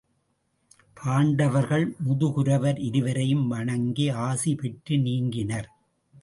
பாண்டவர்கள் முதுகுரவர் இருவரையும் வணங்கி ஆசி பெற்று நீங்கினர்.